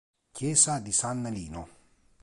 Chiesa di San Lino